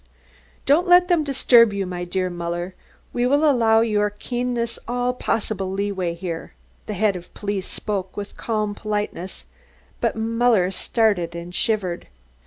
"Don't let them disturb you, my dear Muller; we will allow your keenness all possible leeway here." The Head of Police spoke with calm politeness, but Muller started and shivered.